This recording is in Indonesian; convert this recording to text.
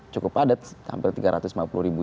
cukup padat hampir tiga ratus lima puluh ribu